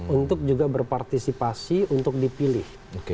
untuk juga berpartisipasi untuk dipilih